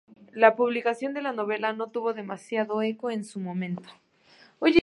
La publicación de la novela no tuvo demasiado eco en su momento.